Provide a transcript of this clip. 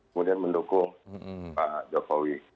kemudian mendukung pak jokowi